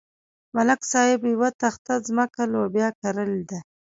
ملک صاحب یوه تخته ځمکه لوبیا کرلې ده.